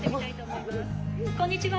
「こんにちは」。